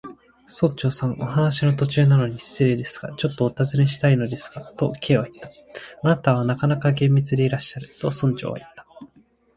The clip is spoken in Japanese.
「村長さん、お話の途中なのに失礼ですが、ちょっとおたずねしたいのですが」と、Ｋ はいった。「あなたはなかなか厳密でいらっしゃる」と、村長はいった。